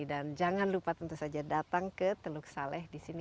dan jangan lupa tentu saja datang ke teluk saleh di sini